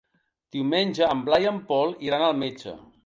Diumenge en Blai i en Pol iran al metge.